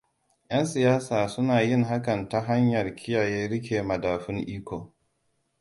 'Yan siyasa suna yin hakan ta hanyar kiyaye riƙe madafun iko.